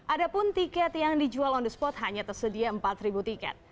ada pun tiket yang dijual on the spot hanya tersedia empat tiket